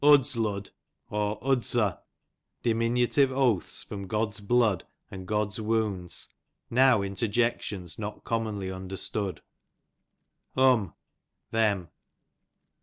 U diminutive oatlis from God's blood and God's wounds, now interjec tions not commonly un \clerstood. Um, them.